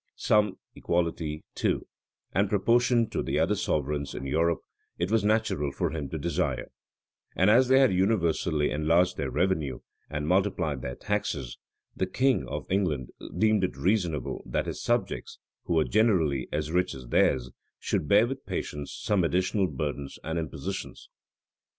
Some equality, too, and proportion to the other sovereigns of Europe, it was natural for him to desire; and as they had universally enlarged their revenue, and multiplied their taxes, the king of England deemed it reasonable that his subjects, who were generally as rich as theirs, should bear with patience some additional burdens and impositions.